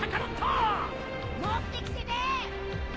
持ってきてねえ！